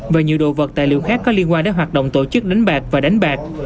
và nhiều đồ vật tài liệu khác có liên quan đến hoạt động tổ chức đánh bạc và đánh bạc